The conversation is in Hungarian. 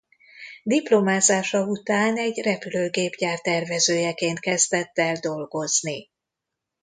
Diplomázása után egy repülőgépgyár tervezőjeként kezdett el dolgozni.